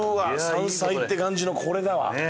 山菜って感じのこれだわ！